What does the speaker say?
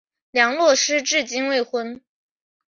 梁洛施至今未婚。